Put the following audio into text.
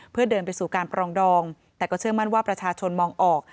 เพื่อเดินไปสู่การปรองดองแต่ก็เชื่อมั่นว่าประชาชนมองออก